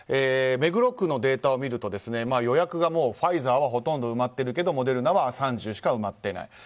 目黒区のデータを見ると予約がファイザーはほとんど埋まっているけれどもモデルナは３３しか埋まっていない。